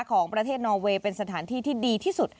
ของประเทศนอเวย์เป็นสถานที่ที่ดีที่สุด